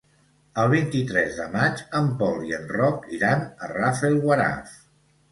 El vint-i-tres de maig en Pol i en Roc iran a Rafelguaraf.